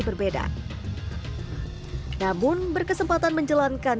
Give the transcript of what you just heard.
berbeda namun berkesempatan menjelankan